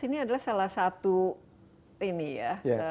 ini adalah salah satu ini ya